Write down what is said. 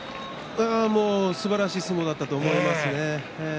すばらしい相撲だったと思います。